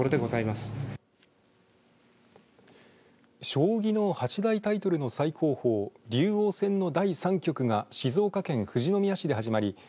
将棋の八大タイトルの最高峰竜王戦の第３局が静岡県富士宮市で始まり